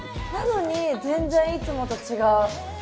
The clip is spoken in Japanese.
なのに全然いつもと違う。